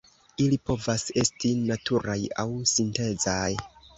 Ili povas esti naturaj aŭ sintezaj.